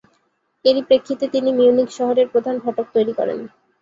এরই প্রেক্ষিতে তিনি মিউনিখ শহরের প্রধান ফটক তৈরি করেন।